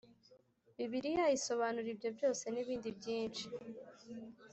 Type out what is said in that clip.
Bibiliya isobanura ibyo byose nibindi byinshi